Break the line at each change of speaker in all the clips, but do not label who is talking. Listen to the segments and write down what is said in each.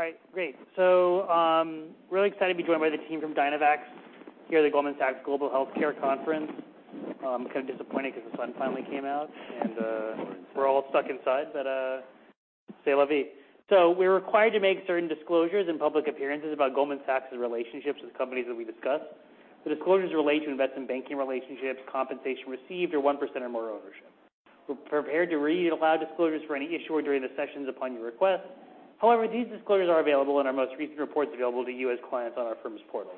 All right, great. Really excited to be joined by the team from Dynavax here at the Goldman Sachs Global Healthcare Conference. Kind of disappointing because the sun finally came out and we're all stuck inside, but c'est la vie. We're required to make certain disclosures and public appearances about Goldman Sachs' relationships with companies that we discuss. The disclosures relate to investment banking relationships, compensation received, or 1% or more ownership. We're prepared to read aloud disclosures for any issuer during the sessions upon your request. However, these disclosures are available in our most recent reports available to you as clients on our firm's portal.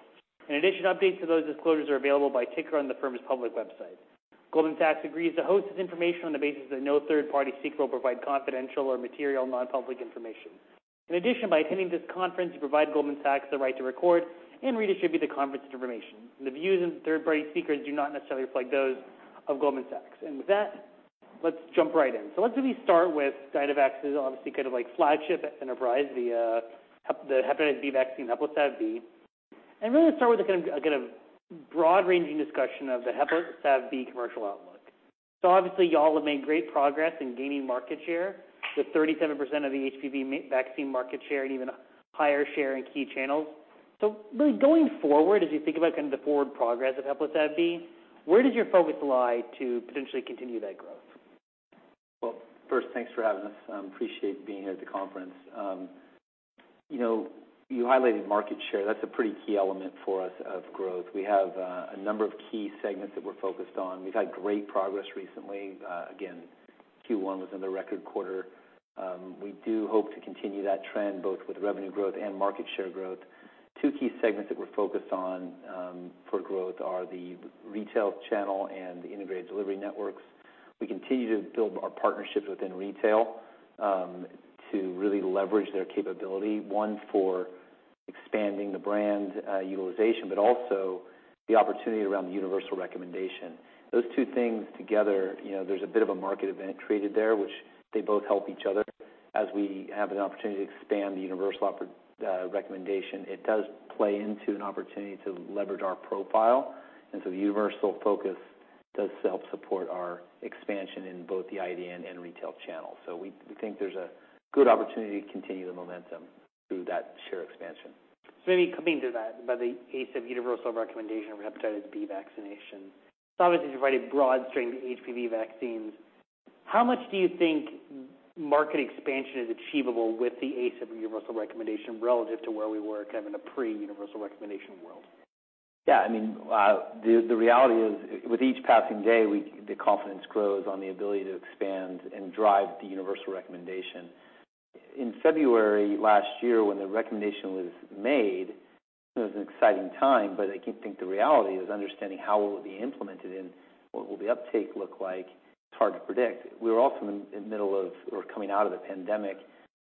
In addition, updates to those disclosures are available by ticker on the firm's public website. Goldman Sachs agrees to host this information on the basis that no third-party seeker will provide confidential or material non-public information. In addition, by attending this conference, you provide Goldman Sachs the right to record and redistribute the conference information. The views of third-party seekers do not necessarily reflect those of Goldman Sachs. With that, let's jump right in. Let's maybe start with Dynavax's obviously kind of like flagship enterprise, the hepatitis B vaccine, HEPLISAV-B, and really start with a kind of broad-ranging discussion of the HEPLISAV-B commercial outlook. Obviously, you all have made great progress in gaining market share, with 37% of the HPV vaccine market share and even higher share in key channels. Really going forward, as you think about kind of the forward progress of HEPLISAV-B, where does your focus lie to potentially continue that growth?
Well, first, thanks for having us. Appreciate being here at the conference. You know, you highlighted market share. That's a pretty key element for us of growth. We have a number of key segments that we're focused on. We've had great progress recently. Again, Q1 was another record quarter. We do hope to continue that trend, both with revenue growth and market share growth. Two key segments that we're focused on for growth are the retail channel and the integrated delivery networks. We continue to build our partnerships within retail to really leverage their capability, one, for expanding the brand utilization, but also the opportunity around the universal recommendation. Those two things together, you know, there's a bit of a market event created there, which they both help each other. As we have an opportunity to expand the universal recommendation, it does play into an opportunity to leverage our profile. The universal focus does help support our expansion in both the IDN and retail channel. We think there's a good opportunity to continue the momentum through that share expansion.
Maybe coming to that, by the ACIP universal recommendation of hepatitis B vaccination, so obviously you provide a broad strain of HPV vaccines. How much do you think market expansion is achievable with the ACIP universal recommendation relative to where we were kind of in a pre-universal recommendation world?
I mean, the reality is, with each passing day, the confidence grows on the ability to expand and drive the universal recommendation. In February last year, when the recommendation was made, it was an exciting time, but I think the reality is understanding how it will be implemented and what will the uptake look like. It's hard to predict. We were also in the middle of or coming out of the pandemic,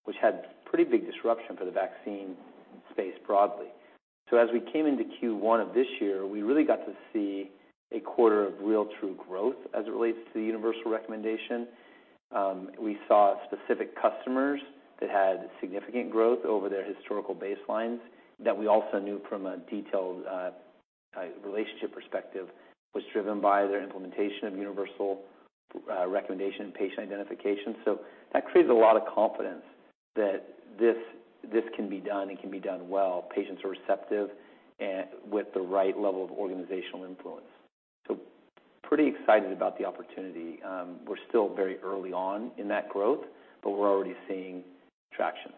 which had pretty big disruption for the vaccine space broadly. As we came into Q1 of this year, we really got to see a quarter of real true growth as it relates to the universal recommendation. We saw specific customers that had significant growth over their historical baselines that we also knew from a detailed relationship perspective, was driven by their implementation of universal recommendation and patient identification. That created a lot of confidence that this can be done and can be done well. Patients are receptive and with the right level of organizational influence. Pretty excited about the opportunity. We're still very early on in that growth, but we're already seeing traction.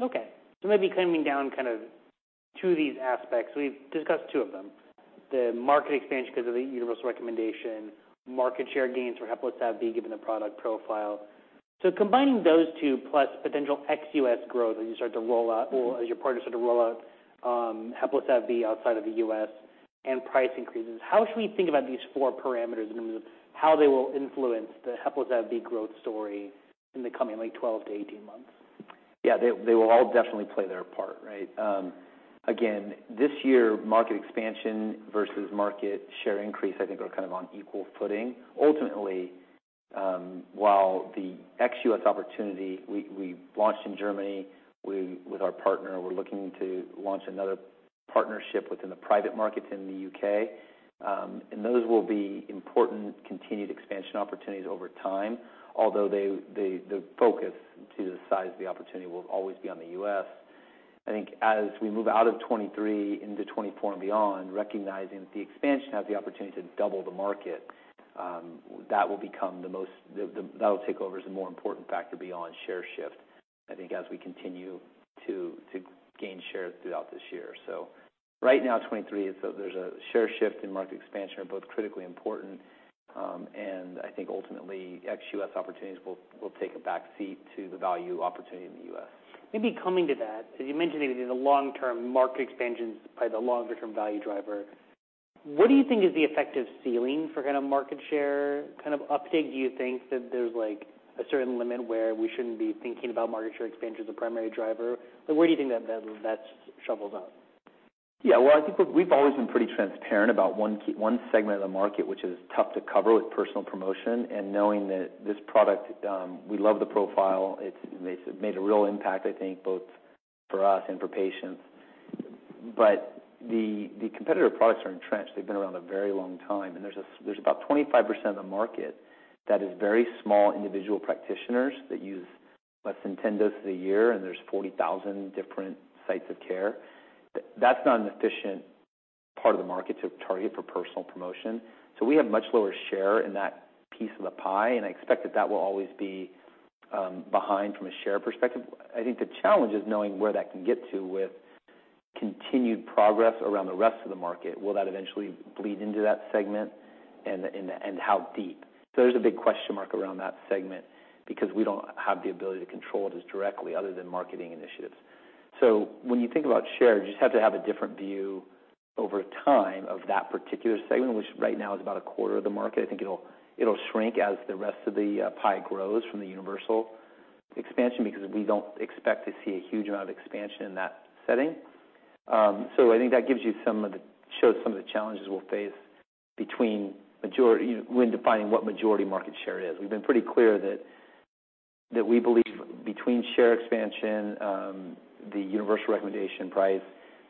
Maybe coming down kind of two of these aspects. We've discussed two of them, the market expansion because of the universal recommendation, market share gains for HEPLISAV-B, given the product profile. Combining those two, plus potential ex-U.S. growth as you start to roll out, or as your partners start to roll out, HEPLISAV-B outside of the U.S. and price increases, how should we think about these four parameters in terms of how they will influence the HEPLISAV-B growth story in the coming, like, 12 to 18 months?
Yeah, they will all definitely play their part, right? Again, this year, market expansion versus market share increase, I think, are kind of on equal footing. Ultimately, while the ex-U.S. opportunity, we've launched in Germany with our partner, we're looking to launch another partnership within the private markets in the U.K. Those will be important continued expansion opportunities over time although the focus to the size of the opportunity will always be on the U.S. I think as we move out of 23 into 24 and beyond, recognizing that the expansion has the opportunity to double the market, that will become that will take over as a more important factor beyond share shift, I think, as we continue to gain share throughout this year. Right now, 23, so there's a share shift and market expansion are both critically important, and I think ultimately, ex-U.S. opportunities will take a back seat to the value opportunity in the U.S.
Maybe coming to that, because you mentioned the long-term market expansion is probably the longer-term value driver. What do you think is the effective ceiling for kind of market share kind of uptake? Do you think that there's, like, a certain limit where we shouldn't be thinking about market share expansion as a primary driver? Like, where do you think that levels, that shovels out?
Yeah, well, I think we've always been pretty transparent about one segment of the market, which is tough to cover with personal promotion and knowing that this product, we love the profile. It's made a real impact, I think, both for us and for patients. The competitor products are entrenched. They've been around a very long time. There's about 25% of the market that is very small individual practitioners that use less than 10 doses a year. There's 40,000 different sites of care. That's not an efficient part of the market to target for personal promotion. We have much lower share in that piece of the pie, and I expect that that will always be behind from a share perspective. I think the challenge is knowing where that can get to with continued progress around the rest of the market. Will that eventually bleed into that segment and how deep? There's a big question mark around that segment because we don't have the ability to control it as directly other than marketing initiatives. When you think about share, you just have to have a different view over time of that particular segment, which right now is about a quarter of the market. I think it'll shrink as the rest of the pie grows from the universal expansion because we don't expect to see a huge amount of expansion in that setting. I think that gives you some of the challenges we'll face between majority, when defining what majority market share is. We've been pretty clear that we believe between share expansion, the universal recommendation price,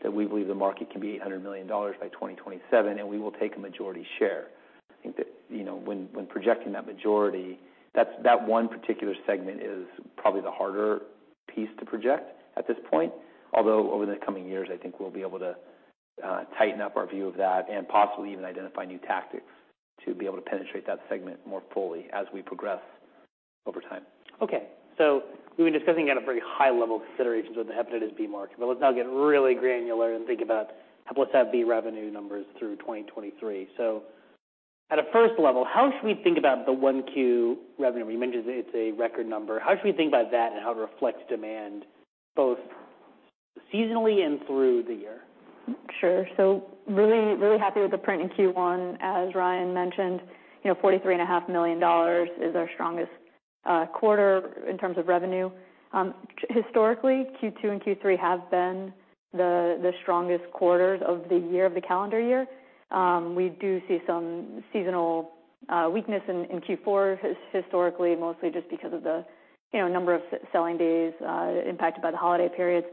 that we believe the market can be [$800] million by 2027, and we will take a majority share. I think that, you know, when projecting that majority, that one particular segment is probably the harder piece to project at this point. Although, over the coming years, I think we'll be able to tighten up our view of that and possibly even identify new tactics to be able to penetrate that segment more fully as we progress over time.
We've been discussing at a very high level considerations of the hepatitis B market, let's now get really granular and think about HEPLISAV-B revenue numbers through 2023. At a first level, how should we think about the 1Q revenue? You mentioned it's a record number. How should we think about that and how it reflects demand, both seasonally and through the year?
Sure. Really, really happy with the print in Q1. As Ryan mentioned, you know, $43.5 million is our strongest quarter in terms of revenue. Historically, Q2 and Q3 have been the strongest quarters of the year, of the calendar year. We do see some seasonal weakness in Q4, historically, mostly just because of the, you know, number of selling days impacted by the holiday periods.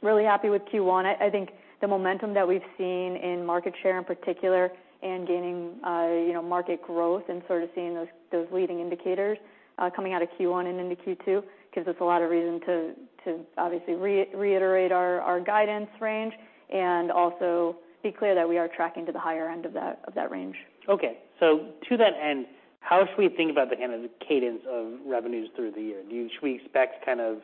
Really happy with Q1. I think the momentum that we've seen in market share in particular and gaining, you know, market growth and sort of seeing those leading indicators, coming out of Q1 and into Q2, gives us a lot of reason to obviously reiterate our guidance range and also be clear that we are tracking to the higher end of that range.
To that end, how should we think about the kind of cadence of revenues through the year? Should we expect kind of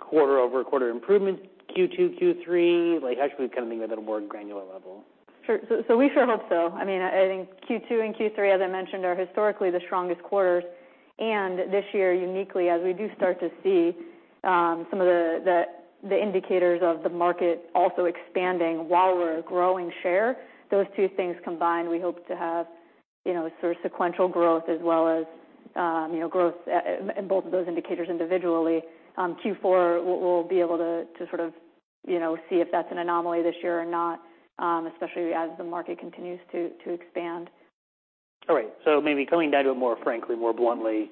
quarter-over-quarter improvement, Q2, Q3? Like, how should we kind of think about it at a more granular level?
Sure. We sure hope so. I mean, I think Q2 and Q3, as I mentioned, are historically the strongest quarters. This year, uniquely, as we do start to see some of the indicators of the market also expanding while we're growing share, those two things combined, we hope to have, you know, sort of sequential growth as well as, you know, growth in both of those indicators individually. Q4, we'll be able to sort of, you know, see if that's an anomaly this year or not, especially as the market continues to expand.
All right. maybe coming down to it more frankly, more bluntly.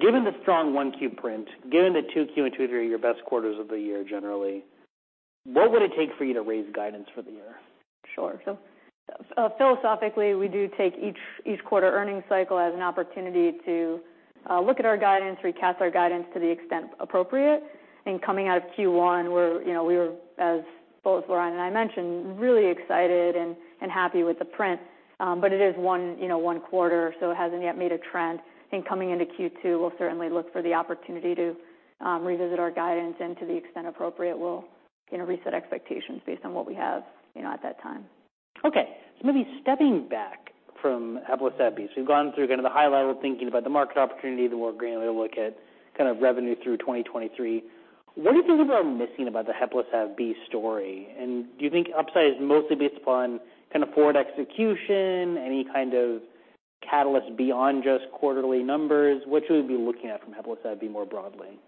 Given the strong 1Q print, given that 2Q and Q3 are your best quarters of the year generally, what would it take for you to raise guidance for the year?
Sure. Philosophically, we do take each quarter earnings cycle as an opportunity to look at our guidance, recast our guidance to the extent appropriate. Coming out of Q1, we're, you know, we were, as both Ryan and I mentioned, really excited and happy with the print, but it is one, you know, one quarter, so it hasn't yet made a trend. I think coming into Q2, we'll certainly look for the opportunity to revisit our guidance, and to the extent appropriate, we'll, you know, reset expectations based on what we have, you know, at that time.
Maybe stepping back from HEPLISAV-B. We've gone through kind of the high level of thinking about the market opportunity, the more granular look at kind of revenue through 2023. What do you think people are missing about the HEPLISAV-B story? Do you think upside is mostly based upon kind of forward execution, any kind of catalyst beyond just quarterly numbers? What should we be looking at from HEPLISAV-B more broadly?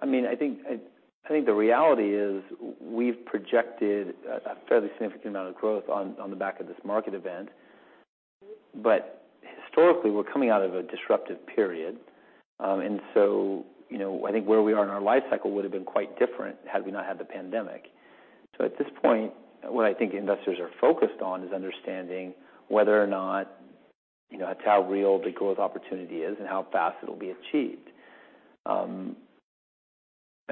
I mean, I think, I think the reality is, we've projected a fairly significant amount of growth on the back of this market event, but historically, we're coming out of a disruptive period. You know, I think where we are in our life cycle would have been quite different had we not had the pandemic. At this point, what I think investors are focused on is understanding whether or not, you know, how real the growth opportunity is and how fast it'll be achieved. I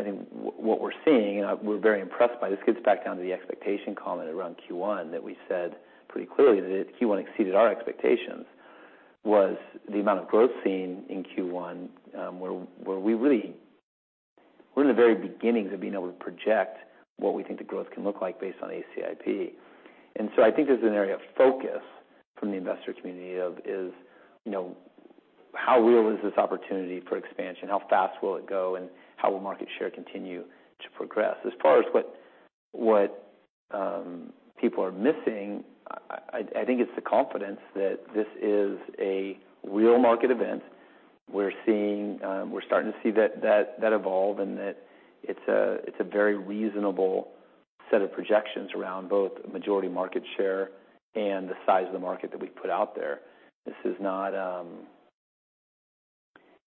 think what we're seeing, and we're very impressed by this, gets back down to the expectation comment around Q1, that we said pretty clearly that Q1 exceeded our expectations, was the amount of growth seen in Q1, where we're in the very beginnings of being able to project what we think the growth can look like based on ACIP. I think there's an area of focus from the investor community of is, you know, how real is this opportunity for expansion? How fast will it go, and how will market share continue to progress? As far as what people are missing, I think it's the confidence that this is a real market event. We're seeing, we're starting to see that evolve and that it's a, it's a very reasonable set of projections around both majority market share and the size of the market that we put out there. This is not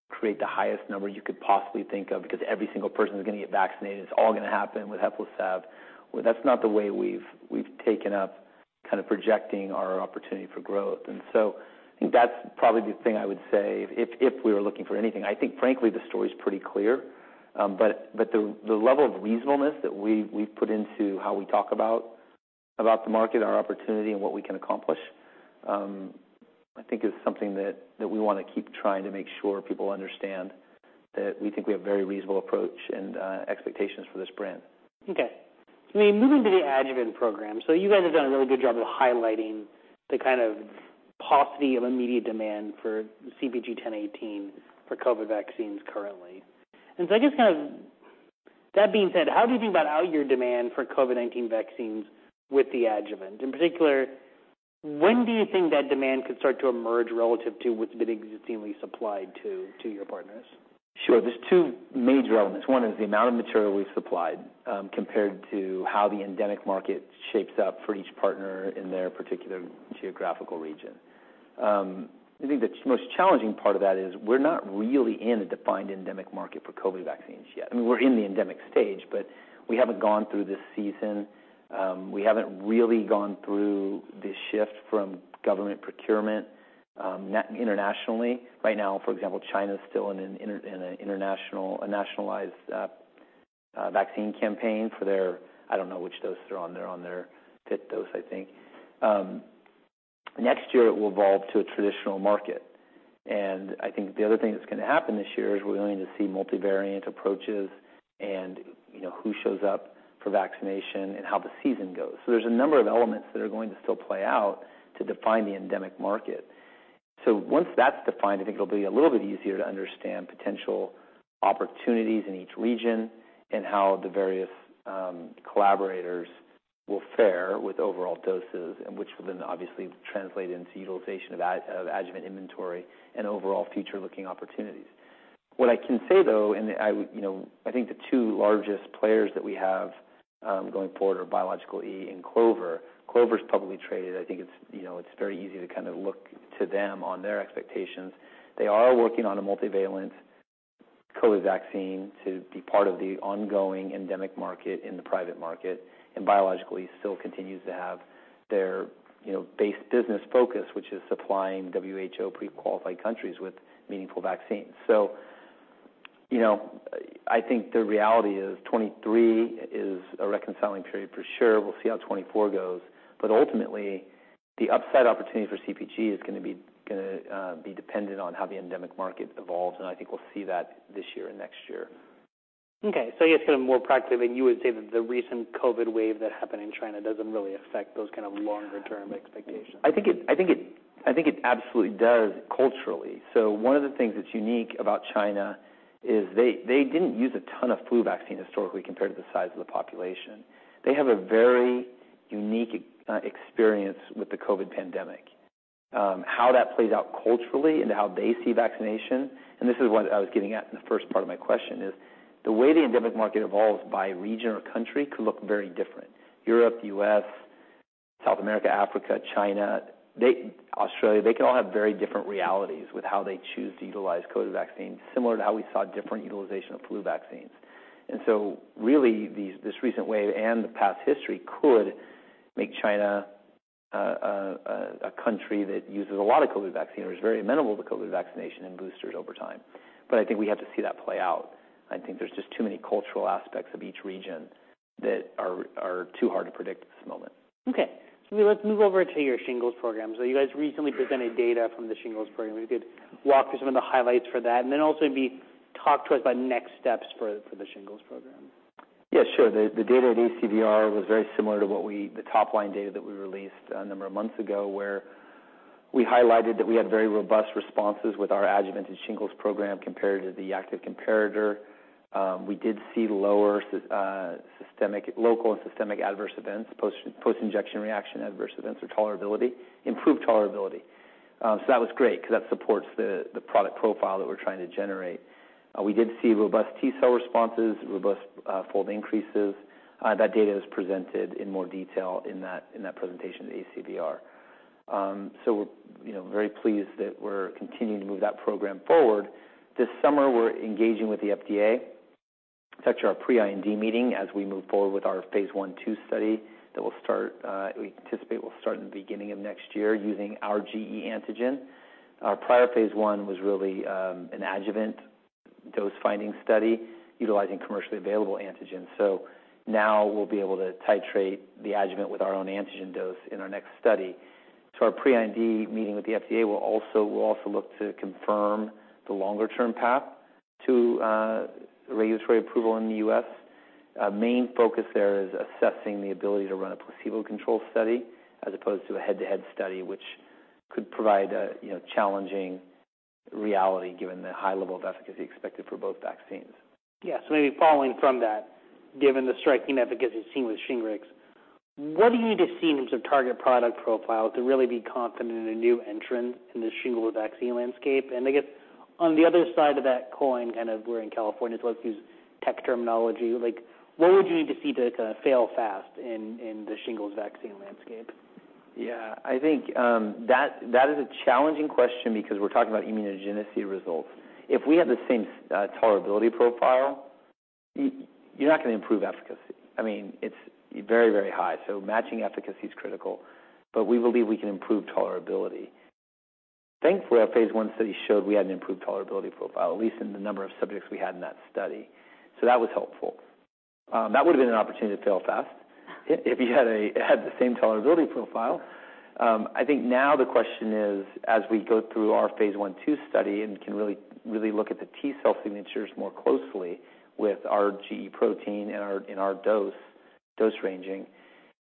create the highest number you could possibly think of, because every single person is going to get vaccinated, it's all going to happen with HEPLISAV. Well, that's not the way we've taken up kind of projecting our opportunity for growth. I think that's probably the thing I would say, if we were looking for anything. I think, frankly, the story is pretty clear. The level of reasonableness that we put into how we talk about the market, our opportunity, and what we can accomplish, I think is something that we want to keep trying to make sure people understand, that we think we have a very reasonable approach and expectations for this brand.
Moving to the adjuvant program. You guys have done a really good job of highlighting the kind of paucity of immediate demand for CpG 1018 for COVID vaccines currently. I guess, kind of that being said, how do you think about out your demand for COVID-19 vaccines with the adjuvant? In particular, when do you think that demand could start to emerge relative to what's been existingly supplied to your partners?
Sure. There's two major elements. One is the amount of material we've supplied, compared to how the endemic market shapes up for each partner in their particular geographical region. I think the most challenging part of that is we're not really in a defined endemic market for COVID vaccines yet. I mean, we're in the endemic stage, but we haven't gone through this season. We haven't really gone through the shift from government procurement, internationally. Right now, for example, China is still in a nationalized vaccine campaign for their. I don't know which dose they're on. They're on their 5th dose, I think. Next year it will evolve to a traditional market. I think the other thing that's going to happen this year is we're going to see multivariant approaches and, you know, who shows up for vaccination and how the season goes. There's a number of elements that are going to still play out to define the endemic market. Once that's defined, I think it'll be a little bit easier to understand potential opportunities in each region and how the various collaborators will fare with overall doses, and which will then obviously translate into utilization of adjuvant inventory and overall future-looking opportunities. What I can say, though, and I, you know, I think the two largest players that we have going forward are Biological E and Clover. Clover is publicly traded. I think it's, you know, it's very easy to kind of look to them on their expectations. They are working on a multivalent COVID vaccine to be part of the ongoing endemic market in the private market. Biological E still continues to have their, you know, base business focus, which is supplying WHO pre-qualified countries with meaningful vaccines. You know, I think the reality is 2023 is a reconciling period for sure. We'll see how 2024 goes. Ultimately, the upside opportunity for CPG is going to be dependent on how the endemic market evolves, and I think we'll see that this year and next year.
Okay, I guess, kind of more practically, then, you would say that the recent COVID wave that happened in China doesn't really affect those kind of longer-term expectations?
I think it absolutely does culturally. One of the things that's unique about China is they didn't use a ton of flu vaccine historically, compared to the size of the population. They have a very unique experience with the COVID pandemic. How that plays out culturally into how they see vaccination, and this is what I was getting at in the first part of my question, is the way the endemic market evolves by region or country could look very different. Europe, the U.S., South America, Africa, China, Australia, they can all have very different realities with how they choose to utilize COVID vaccines, similar to how we saw different utilization of flu vaccines. Really, this recent wave and the past history could make China a country that uses a lot of COVID vaccine or is very amenable to COVID vaccination and boosters over time. I think we have to see that play out. I think there's just too many cultural aspects of each region that are too hard to predict at this moment.
Let's move over to your shingles program. You guys recently presented data from the shingles program. If you could walk through some of the highlights for that, and then also maybe talk to us about next steps for the shingles program.
Yeah, sure. The data at ACVR was very similar to what the top line data that we released a number of months ago, where we highlighted that we had very robust responses with our adjuvanted shingles program compared to the active comparator. We did see lower systemic, local and systemic adverse events, post-injection reaction, adverse events, or tolerability, improved tolerability. That was great because that supports the product profile that we're trying to generate. We did see robust T-cell responses, robust fold increases. That data is presented in more detail in that presentation at ACVR. We're, you know, very pleased that we're continuing to move that program forward. This summer, we're engaging with the FDA to touch our pre-IND meeting as we move forward with our phase I/II study that will start, we anticipate will start in the beginning of next year using our gE antigen. Our prior phase I was really, an adjuvant dose-finding study utilizing commercially available antigens. Now we'll be able to titrate the adjuvant with our own antigen dose in our next study. Our pre-IND meeting with the FDA will also look to confirm the longer-term path to regulatory approval in the U.S. Our main focus there is assessing the ability to run a placebo-controlled study as opposed to a head-to-head study, which could provide a, you know, challenging reality given the high level of efficacy expected for both vaccines.
Yeah. Maybe following from that, given the striking efficacy seen with SHINGRIX, what do you need to see in terms of target product profile to really be confident in a new entrant in the shingles vaccine landscape? I guess on the other side of that coin, kind of, we're in California, so let's use tech terminology, like, what would you need to see to kind of fail fast in the shingles vaccine landscape?
I think, that is a challenging question because we're talking about immunogenicity results. If we have the same, tolerability profile, you're not going to improve efficacy. I mean, it's very, very high, so matching efficacy is critical, but we believe we can improve tolerability. Thankfully, our phase I study showed we had an improved tolerability profile, at least in the number of subjects we had in that study. That was helpful. That would have been an opportunity to fail fast if you had the same tolerability profile. I think now the question is, as we go through our phase I/II study and can really look at the T-cell signatures more closely with our gE protein and our, in our dose-ranging,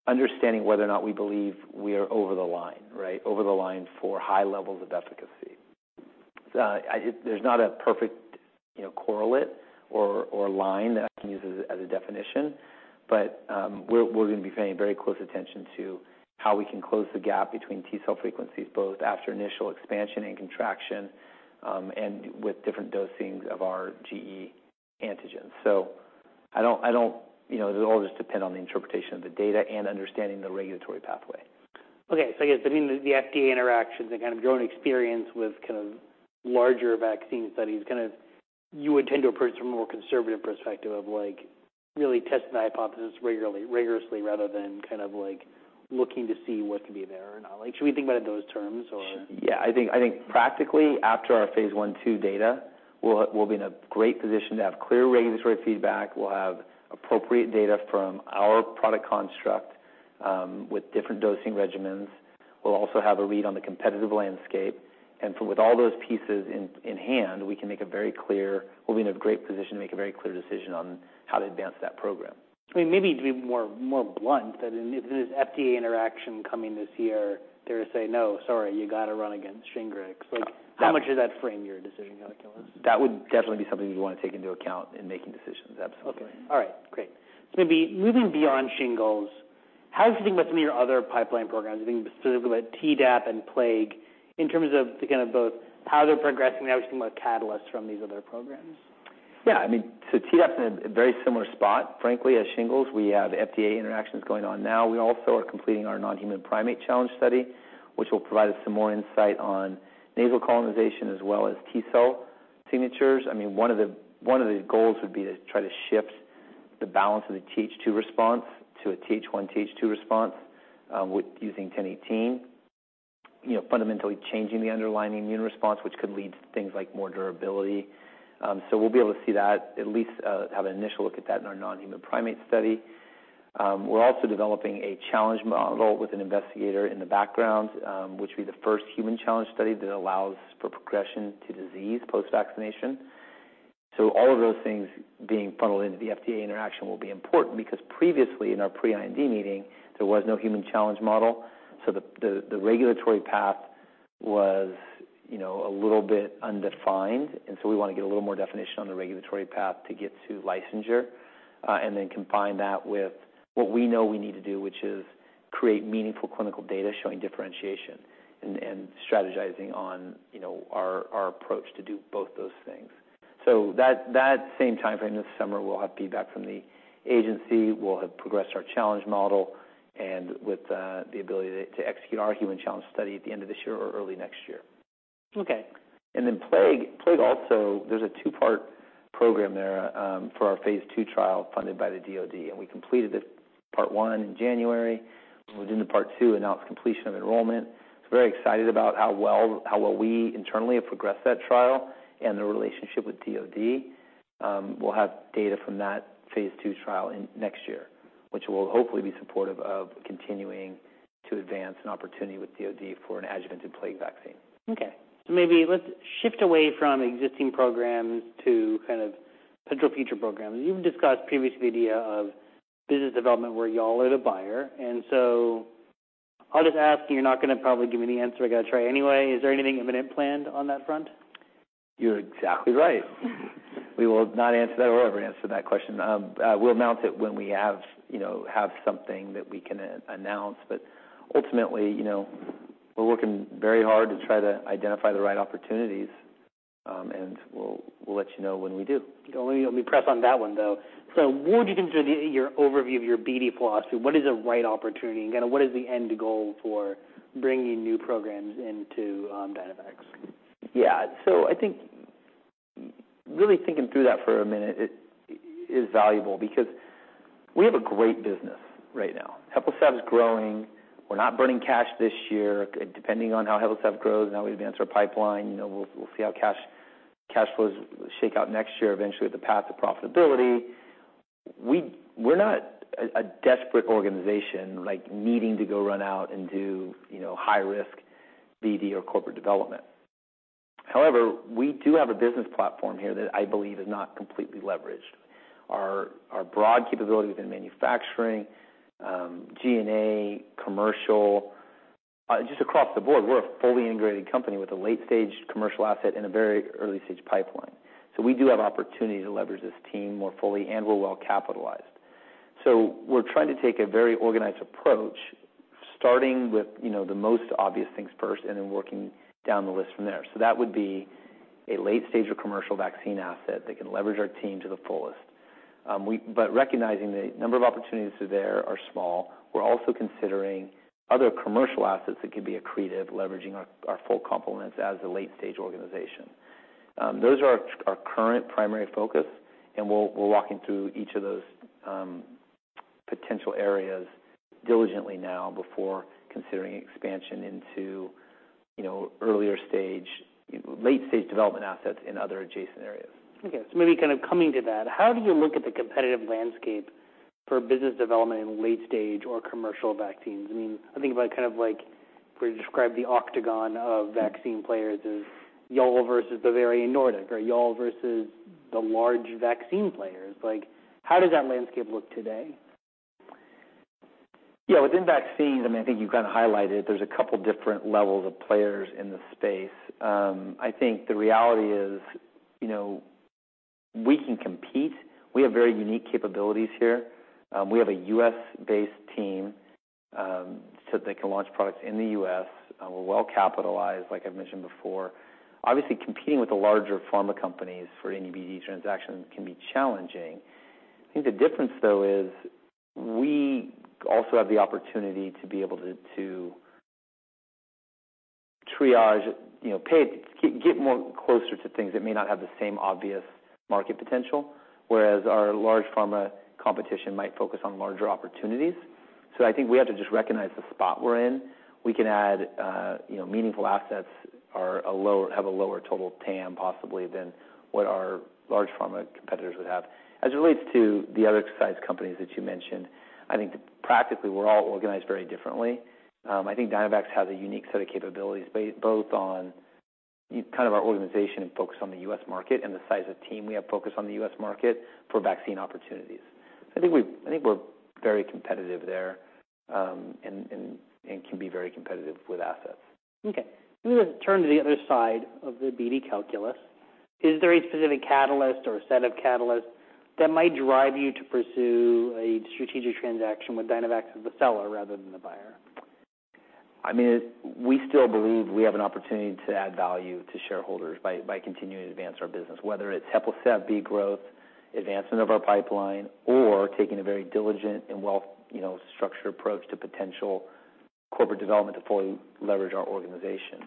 understanding whether or not we believe we are over the line, right? Over the line for high levels of efficacy. I think there's not a perfect, you know, correlate or line that I can use as a definition, but we're going to be paying very close attention to how we can close the gap between T-cell frequencies, both after initial expansion and contraction, and with different dosings of our gE antigens. You know, it will all just depend on the interpretation of the data and understanding the regulatory pathway.
Okay. I guess, I mean, the FDA interactions and kind of your own experience with kind of larger vaccine studies, kind of you would tend to approach from a more conservative perspective of like, really testing the hypothesis rigorously, rather than kind of like looking to see what can be there or not. Like, should we think about it in those terms, or?
Yeah, I think practically after our phase I/II data, we'll be in a great position to have clear regulatory feedback. We'll have appropriate data from our product construct, with different dosing regimens. We'll also have a read on the competitive landscape. With all those pieces in hand, we'll be in a great position to make a very clear decision on how to advance that program.
Maybe to be more, more blunt, that in this FDA interaction coming this year, they're going to say, "No, sorry, you got to run against SHINGRIX." How much does that frame your decision calculus?
That would definitely be something we'd want to take into account in making decisions. Absolutely.
Okay. All right, great. Maybe moving beyond shingles, how do you think about some of your other pipeline programs? I think specifically about Tdap and plague, in terms of the kind of both how they're progressing, how we think about catalysts from these other programs.
I mean, Tdap's in a very similar spot, frankly, as shingles. We have FDA interactions going on now. We also are completing our non-human primate challenge study, which will provide us some more insight on nasal colonization as well as T-cell signatures. I mean, one of the goals would be to try to shift the balance of the TH2 response to a TH1/TH2 response with using CpG 1018. You know, fundamentally changing the underlying immune response, which could lead to things like more durability. We'll be able to see that, at least, have an initial look at that in our non-human primate study. We're also developing a challenge model with an investigator in the background, which will be the first human challenge study that allows for progression to disease post-vaccination. All of those things being funneled into the FDA interaction will be important because previously in our pre-IND meeting, there was no human challenge model, so the regulatory path was, you know, a little bit undefined. We want to get a little more definition on the regulatory path to get to licensure, and then combine that with what we know we need to do, which is create meaningful clinical data showing differentiation and strategizing on, you know, our approach to do both those things. That, that same timeframe this summer, we'll have feedback from the agency. We'll have progressed our challenge model and with the ability to execute our human challenge study at the end of this year or early next year.
Okay.
Plague also, there's a two part program there for our phase II trial funded by the DoD, and we completed this part one in January. We're doing the part two, announced completion of enrollment. Very excited about how well we internally have progressed that trial and the relationship with DoD. We'll have data from that phase II trial in next year, which will hopefully be supportive of continuing to advance an opportunity with DoD for an adjuvanted plague vaccine.
Okay. Maybe let's shift away from existing programs to kind of potential future programs. You've discussed previously the idea of business development, where y'all are the buyer. I'll just ask, and you're not going to probably give me the answer. I got to try anyway. Is there anything imminent planned on that front?
You're exactly right. We will not answer that or ever answer that question. We'll announce it when we have, you know, have something that we can announce. Ultimately, you know, we're working very hard to try to identify the right opportunities, and we'll let you know when we do.
Let me press on that one, though. What would you consider your overview of your BD philosophy? What is the right opportunity and what is the end goal for bringing new programs into Dynavax?
I think really thinking through that for a minute, it is valuable because we have a great business right now. HEPLISAV is growing. We're not burning cash this year. Depending on how HEPLISAV grows and how we advance our pipeline, you know, we'll see how cash flows shake out next year, eventually, the path to profitability. We're not a desperate organization like needing to go run out and do, you know, high risk BD or corporate development. We do have a business platform here that I believe is not completely leveraged. Our broad capabilities in manufacturing, GNA, commercial, just across the board, we're a fully integrated company with a late-stage commercial asset and a very early-stage pipeline. We do have opportunity to leverage this team more fully, and we're well capitalized. We're trying to take a very organized approach, starting with, you know, the most obvious things first and then working down the list from there. That would be a late-stage of commercial vaccine asset that can leverage our team to the fullest. Recognizing the number of opportunities that are there are small, we're also considering other commercial assets that could be accretive, leveraging our full complements as a late-stage organization. Those are our current primary focus, and we'll walk you through each of those potential areas diligently now before considering expansion into, you know, late-stage development assets in other adjacent areas.
Maybe kind of coming to that, how do you look at the competitive landscape for business development in late-stage or commercial vaccines? I think about kind of like where you describe the octagon of vaccine players as y'all versus the very Nordic, or y'all versus the large vaccine players. Like, how does that landscape look today?
Yeah, within vaccines, I mean, I think you kind of highlighted there's a couple different levels of players in the space. I think the reality is, you know, we can compete. We have very unique capabilities here. We have a U.S.-based team, so they can launch products in the U.S. We're well capitalized, like I've mentioned before. Obviously, competing with the larger pharma companies for any BD transaction can be challenging. I think the difference, though, is we also have the opportunity to be able to triage, you know, get more closer to things that may not have the same obvious market potential, whereas our large pharma competition might focus on larger opportunities. I think we have to just recognize the spot we're in. We can add, you know, meaningful assets are a low. Have a lower total TAM, possibly, than what our large pharma competitors would have. I think practically, we're all organized very differently. I think Dynavax has a unique set of capabilities, both on kind of our organization and focus on the U.S. market and the size of team we have focused on the U.S. market for vaccine opportunities. I think we're very competitive there, and can be very competitive with assets.
I'm gonna turn to the other side of the BD calculus. Is there a specific catalyst or a set of catalysts that might drive you to pursue a strategic transaction with Dynavax as the seller rather than the buyer?
I mean, we still believe we have an opportunity to add value to shareholders by continuing to advance our business, whether it's HEPLISAV-B growth, advancement of our pipeline, or taking a very diligent and well, you know, structured approach to potential corporate development to fully leverage our organization.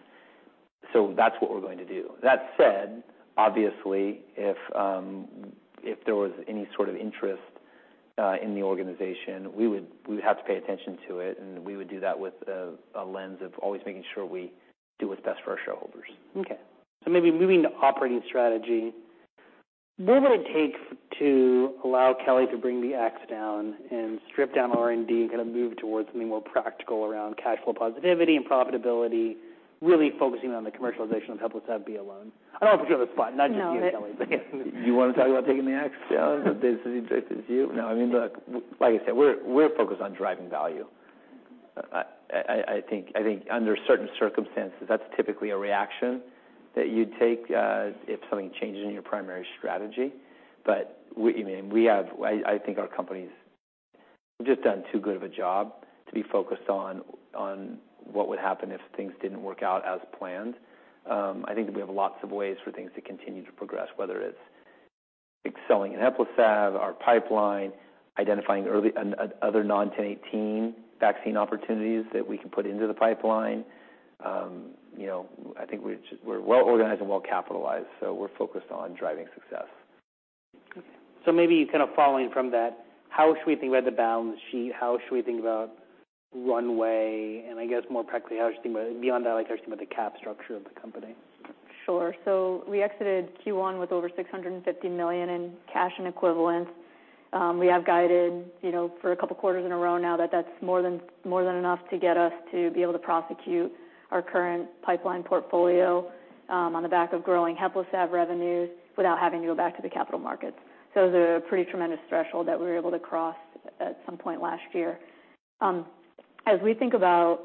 That's what we're going to do. That said, obviously, if there was any sort of interest in the organization, we would have to pay attention to it, and we would do that with a lens of always making sure we do what's best for our shareholders.
Maybe moving to operating strategy, what would it take to allow Kelly to bring the axe down and strip down R&D, kind of move towards something more practical around cash flow positivity and profitability, really focusing on the commercialization of HEPLISAV-B alone? I don't want to put you on the spot, not just you, Kelly.
No.
You want to talk about taking the axe down? This is you. No, I mean, look, like I said, we're focused on driving value. I think under certain circumstances, that's typically a reaction that you'd take if something changes in your primary strategy. I mean, I think our company's just done too good of a job to be focused on what would happen if things didn't work out as planned. I think we have lots of ways for things to continue to progress, whether it's excelling in HEPLISAV, our pipeline, identifying early other non-1018 vaccine opportunities that we can put into the pipeline. You know, I think we're just, we're well-organized and well-capitalized, so we're focused on driving success.
Okay. Maybe kind of following from that, how should we think about the balance sheet? How should we think about runway? I guess more practically, how we should think about, beyond that, like how we should think about the cap structure of the company?
We exited Q1 with over $650 million in cash and equivalents. We have guided, you know, for a couple quarters in a row now that that's more than enough to get us to be able to prosecute our current pipeline portfolio, on the back of growing HEPLISAV revenues without having to go back to the capital markets. It was a pretty tremendous threshold that we were able to cross at some point last year. As we think about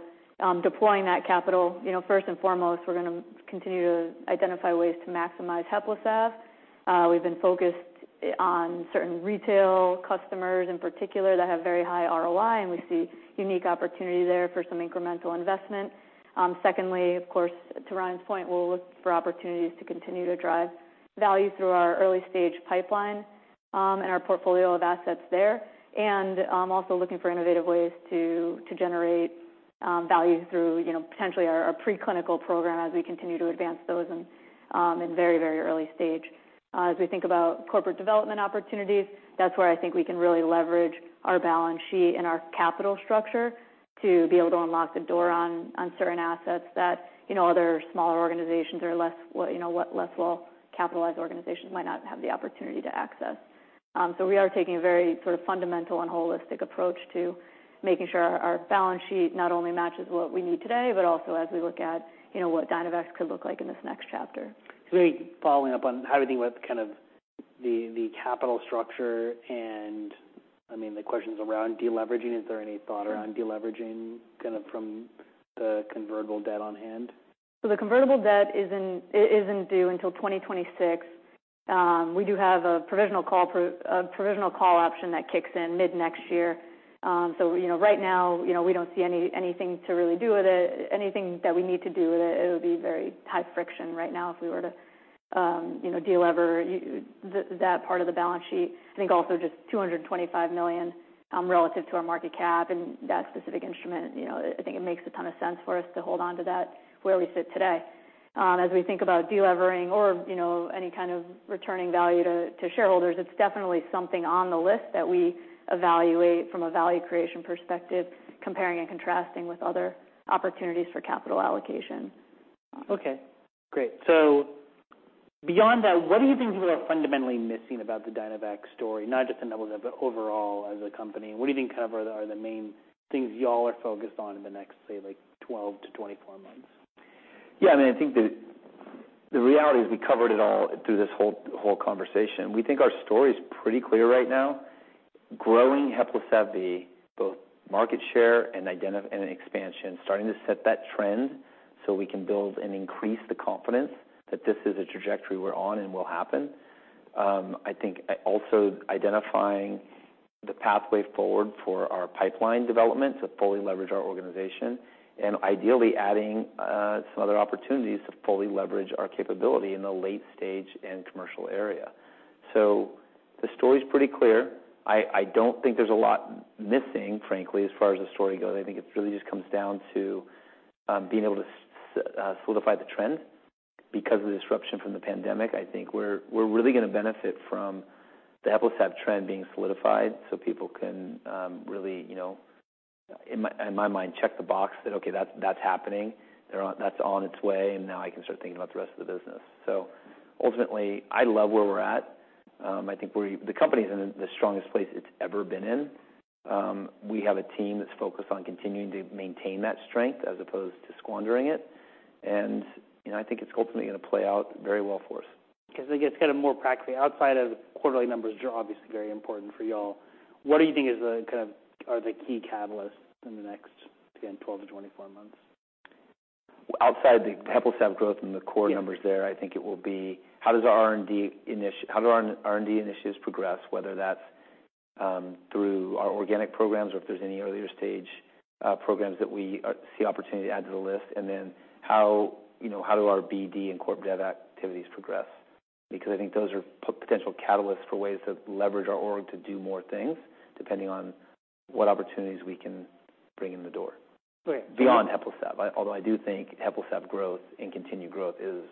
deploying that capital, you know, first and foremost, we're gonna continue to identify ways to maximize HEPLISAV. We've been focused on certain retail customers in particular, that have very high ROI, and we see unique opportunity there for some incremental investment. Secondly, of course, to Ryan's point, we'll look for opportunities to continue to drive value through our early-stage pipeline and our portfolio of assets there. Also looking for innovative ways to generate value through, you know, potentially our preclinical program as we continue to advance those in very, very early stage. As we think about corporate development opportunities, that's where I think we can really leverage our balance sheet and our capital structure to be able to unlock the door on certain assets that, you know, other smaller organizations or less well-capitalized organizations might not have the opportunity to access. We are taking a very sort of fundamental and holistic approach to making sure our balance sheet not only matches what we need today, but also as we look at, you know, what Dynavax could look like in this next chapter.
Maybe following up on how do you think about kind of the capital structure and, I mean, the questions around deleveraging, is there any thought around deleveraging kind of from the convertible debt on hand?
The convertible debt isn't, it isn't due until 2026. We do have a provisional call option that kicks in mid-next year. You know, right now, you know, we don't see anything to really do with it. Anything that we need to do with it would be very high friction right now if we were to de-lever that part of the balance sheet. I think also just $225 million, relative to our market cap and that specific instrument, you know, I think it makes a ton of sense for us to hold on to that where we sit today. As we think about de-levering or, you know, any kind of returning value to shareholders, it's definitely something on the list that we evaluate from a value creation perspective, comparing and contrasting with other opportunities for capital allocation.
Beyond that, what do you think people are fundamentally missing about the Dynavax story? Not just on that one, but overall as a company, what do you think kind of are the main things you all are focused on in the next, say, like, 12 to 24 months?
Yeah, I mean, I think the reality is we covered it all through this whole conversation. We think our story is pretty clear right now. Growing HEPLISAV-B, both market share and expansion, starting to set that trend so we can build and increase the confidence that this is a trajectory we're on and will happen. I think also identifying the pathway forward for our pipeline development to fully leverage our organization, and ideally adding some other opportunities to fully leverage our capability in the late-stage and commercial area. The story's pretty clear. I don't think there's a lot missing, frankly, as far as the story goes. I think it really just comes down to being able to solidify the trend because of the disruption from the pandemic. I think we're really gonna benefit from the HEPLISAV trend being solidified so people can really, you know, in my mind, check the box that, okay, that's happening, that's on its way, now I can start thinking about the rest of the business. Ultimately, I love where we're at. I think the company is in the strongest place it's ever been in. We have a team that's focused on continuing to maintain that strength as opposed to squandering it. You know, I think it's ultimately gonna play out very well for us.
I think it's kind of more practically, outside of the quarterly numbers, which are obviously very important for you all, what do you think is the kind of, are the key catalysts in the next, again, 12 to 24 months?
Outside the HEPLISAV growth and the core—
Yeah
Numbers there, I think it will be, how do our R&D initiatives progress, whether that's through our organic programs or if there's any earlier stage programs that we see opportunity to add to the list. How, you know, how do our BD and corp dev activities progress? Because I think those are potential catalysts for ways to leverage our org to do more things, depending on what opportunities we can bring in the door.
Great.
Beyond HEPLISAV. Although I do think HEPLISAV growth and continued growth is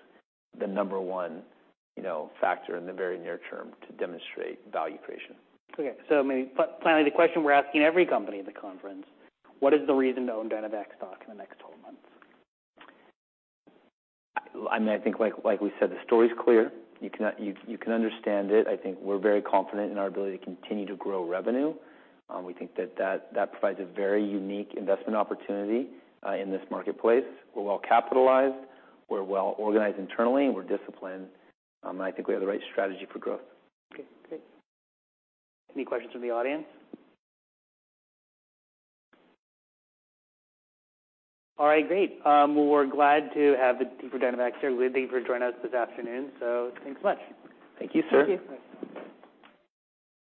the number one, you know, factor in the very near term to demonstrate value creation.
Okay, maybe finally, the question we're asking every company in the conference: What is the reason to own Dynavax stock in the next 12 months?
I mean, I think like we said, the story's clear. You can understand it. I think we're very confident in our ability to continue to grow revenue. We think that provides a very unique investment opportunity in this marketplace. We're well capitalized, we're well organized internally, and we're disciplined, and I think we have the right strategy for growth.
Okay, great. Any questions from the audience? All right, great. Well, we're glad to have the people from Dynavax here with you for joining us this afternoon. Thanks so much.
Thank you.
Thank you.